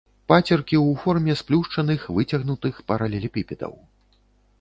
Пацеркі ў форме сплюшчаных выцягнутых паралелепіпедаў.